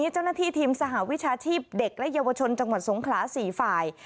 เจ้าหน้าที่ทีมสหวิชาชีพเด็กและเยาวชนจังหวัดสงขลา๔ฝ่าย